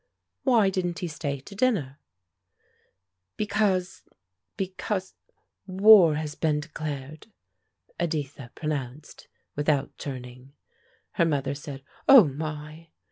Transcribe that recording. "Why didn't he stay to dinner?" "Because because war has been declared," Editha pronounced, without turning. Her mother said, "Oh, my!"